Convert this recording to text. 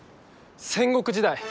戦国時代。